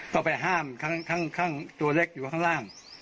ก็ไปห้ามข้างตัวเล็กอยู่ข้างล่าง